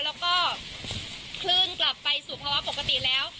แล้วก็คลื่นกลับไปสู่ภาวะปกติแล้ว